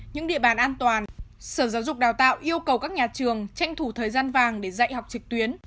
trong thời gian an toàn sở giáo dục đào tạo yêu cầu các nhà trường tranh thủ thời gian vàng để dạy học trịch tuyến